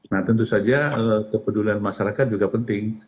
nah tentu saja kepedulian masyarakat juga penting